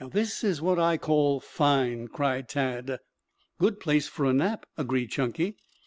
"This is what I call fine," cried Tad. "Good place for a nap," agreed Chunky.